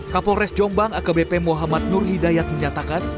kapolres jombang akbp muhammad nur hidayat menyatakan